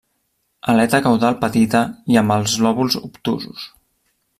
Aleta caudal petita i amb els lòbuls obtusos.